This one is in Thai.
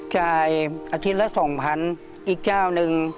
จ่ายอาทิตย์ละ๒๐๐อีกเจ้านึง